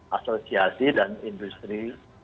asosiasi dan industri